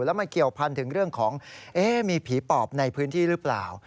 แล้วมาเกี่ยวพันธุ์ถึงเรื่องของมีผีปอบในพื้นที่หรือเปล่า